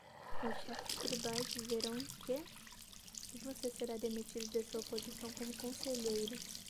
Os chefes tribais verão que? e você será demitido de sua posição como conselheiro.